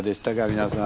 皆さん。